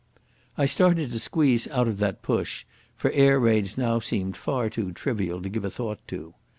I started to squeeze out of that push, for air raids now seemed far too trivial to give a thought to.